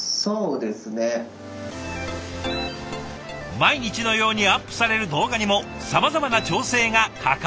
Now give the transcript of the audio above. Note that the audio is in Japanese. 毎日のようにアップされる動画にもさまざまな調整が欠かせない。